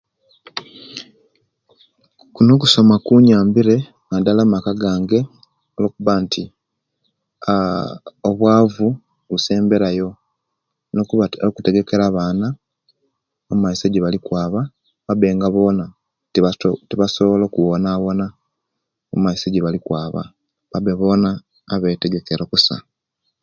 Kuno okusoma kunyambire, naddala amaka gange, olwokuba nti aa obuwavu busemberayo, nokuba okutegekera abaana omumaiso ejebalikwaaba, babe nga bona, tibasobola okuwonawona omumaiso ejibalikwaaba; babe boona, abetegekera okusa.